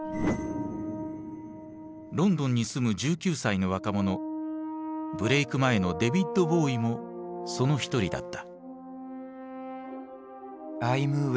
ロンドンに住む１９歳の若者ブレーク前のデヴィッド・ボウイもその一人だった。